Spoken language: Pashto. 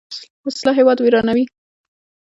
وسله هیواد ورانوي